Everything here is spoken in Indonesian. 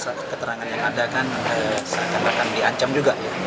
seakan akan di ancam juga ya